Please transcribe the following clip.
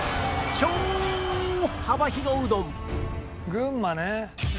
群馬ね。